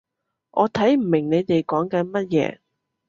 我睇唔明你哋講緊乜嘢